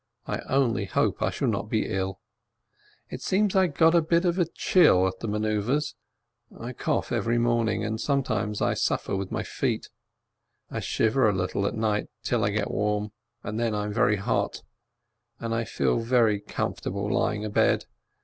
I only hope I shall not be ill. It seems I got a bit of a chill at the manoeuvres, I cough every morning, and sometimes I suffer with my feet. I shiver a little at night till I get warm, and then I am very hot, and I feel very comfortable lying abed.